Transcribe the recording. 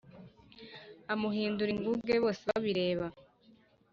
amuhindura ingunge, bose babireba